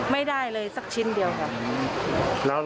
ไม่ได้เลยสักชิ้นเดียวกัน